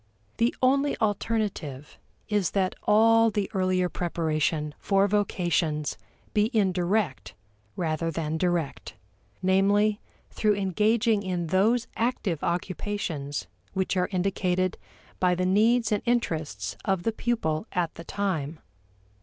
The only alternative is that all the earlier preparation for vocations be indirect rather than direct; namely, through engaging in those active occupations which are indicated by the needs and interests of the pupil at the time.